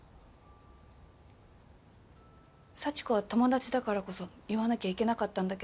サチコは友達だからこそ言わなきゃいけなかったんだけど。